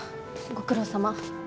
ご苦労さま。